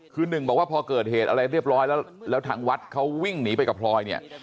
คือหนึ่งบอกว่าพอเกิดเหตุอะไรเรียบร้อยแล้วแล้วทางวัดเขาวิ่งหนีไปกับพลอยเนี่ย